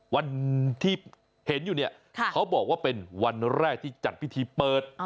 วันที่เห็นอยู่เนี่ยเขาบอกว่าเป็นวันแรกที่จัดพิธีเปิด